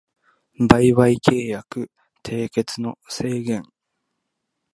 売買契約締結の制限